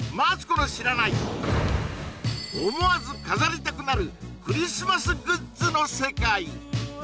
思わず飾りたくなるクリスマスグッズの世界